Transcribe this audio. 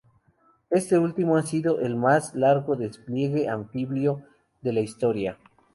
Este último ha sido el más largo despliegue anfibio de la historia.